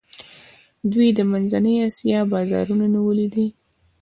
دوی د منځنۍ آسیا بازارونه نیولي دي.